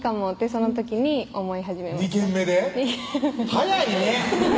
早いね！